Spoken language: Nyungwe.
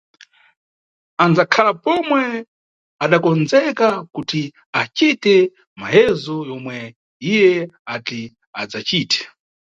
Andzakhala pomwe adakondzeka kuti acite mayezo yomwe iye ati adzacite.